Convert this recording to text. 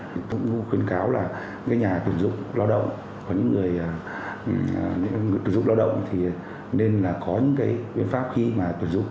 thì tôi cũng khuyến cáo là nhà tuyển dụng lao động có những người tuyển dụng lao động thì nên là có những cái biện pháp khi mà tuyển dụng